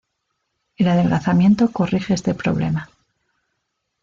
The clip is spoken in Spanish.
El adelgazamiento corrige este problema.